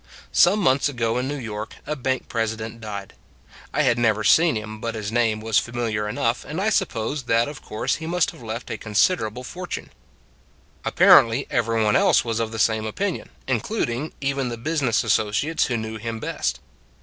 Some months ago, in New York, a bank president died. I had never seen him, but his name was familiar enough, and I sup posed that of course he must have left a considerable fortune. Apparently every one else was of the same opinion, including even the business associates who knew him best.